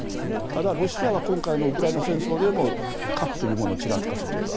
ただ、ロシアは今回のウクライナ戦争でも核というものをちらつかせている。